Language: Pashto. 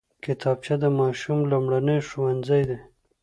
کتابچه د ماشوم لومړی ښوونځی دی